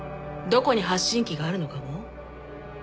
どこに発信器があるのかも？